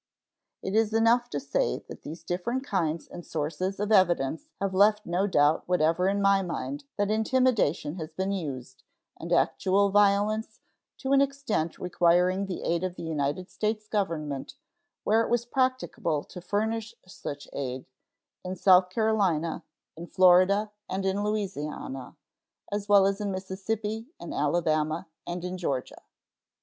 It is enough to say that these different kinds and sources of evidence have left no doubt whatever in my mind that intimidation has been used, and actual violence, to an extent requiring the aid of the United States Government, where it was practicable to furnish such aid, in South Carolina, in Florida, and in Louisiana, as well as in Mississippi, in Alabama, and in Georgia.